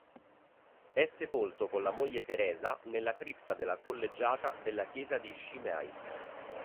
È sepolto con la moglie Teresa nella cripta della collegiata della chiesa di Chimay.